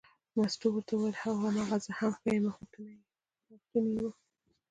مستو ورته وویل هو هماغه زه هم ښیمه غوښتنې یې وې.